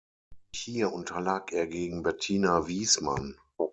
Hier unterlag er gegen Bettina Wiesmann.